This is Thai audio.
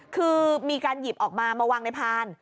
คือมีการหยิบออกมามาวางในพาน